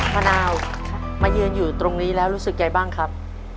มะนาวมายืนอยู่ตรงนี้แล้วรู้สึกยังไงบ้างครับ